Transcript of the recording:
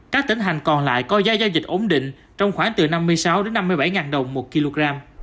các tỉnh hành còn lại có giá giao dịch ổn định trong khoảng từ năm mươi sáu đến năm mươi bảy đồng một kg